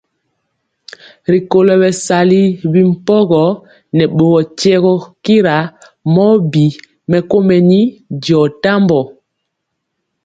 Rikolo bɛsali bi mpɔga nɛ boro tyiegɔ kira mɔ bi mɛkomeni diɔ tambɔ.